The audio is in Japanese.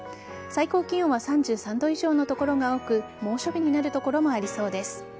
最高気温は３３度以上の所が多く猛暑日になる所もありそうです。